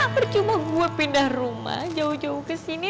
bercuma gue pindah rumah jauh jauh kesini